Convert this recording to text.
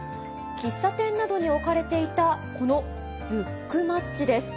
喫茶店などに置かれていたこのブックマッチです。